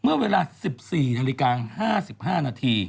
เมื่อเวลา๑๔นาฬิกา๕๕นาที